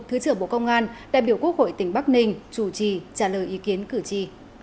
thứ trưởng bộ công an đại biểu quốc hội tỉnh bắc ninh chủ trì trả lời ý kiến cử tri